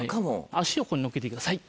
足をここに乗っけてください。